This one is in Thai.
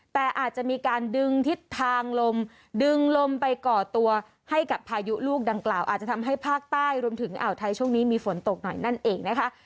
แต่อาจจะมีการดึงทิศทางลมดึงลมไปก่อตัวให้กับพายุลูกดังกล่าวอาจจะทำให้ภาคใต้รวมถึงอ่าวไทยช่วงนี้มีฝนตกหน่อยนั่นเองนะคะ